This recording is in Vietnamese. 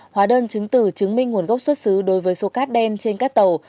hóa đơn chứng từ chứng minh nguồn gốc xuất xứ đối với số cát đen trên các tàu